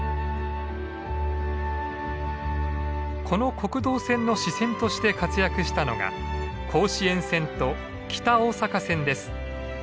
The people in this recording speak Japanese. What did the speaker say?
この国道線の支線として活躍したのが甲子園線と北大阪線です。